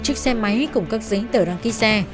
chiếc xe máy cùng các giấy tờ đăng ký xe